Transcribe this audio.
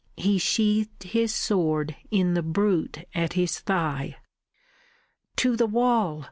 He sheathed his sword in the brute at his thigh. "To the wall!"